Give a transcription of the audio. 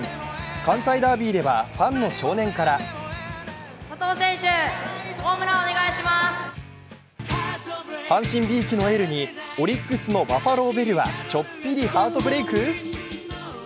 関西ダービーではファンの少年から阪神びいきのエールにオリックスのバファローベルはちょっぴりハートブレーク？